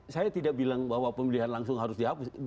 saya tidak bilang bahwa pemilihan langsung harus dihapus